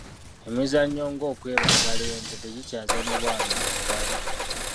Emizannyo ng'okwebagala ente tegikyazannyibwa wano mu Buganda.